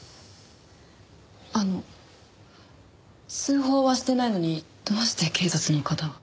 あの通報はしていないのにどうして警察の方が？